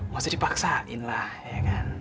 maksudnya dipaksain lah ya kan